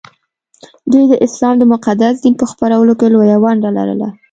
دوی د اسلام د مقدس دین په خپرولو کې لویه ونډه لرله